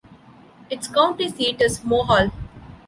Its county seat is Mohall.